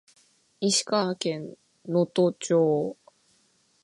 石川県能登町